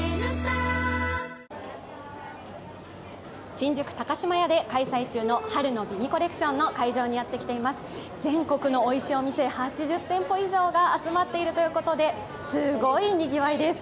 新宿高島屋で開催中の春の美味コレクションに来ていますが全国のおいしいお店８０店舗以上が集まっているということですごいにぎわいです。